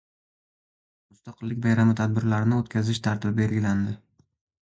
Mustaqillik bayrami tadbirlarini o‘tkazish tartibi belgilandi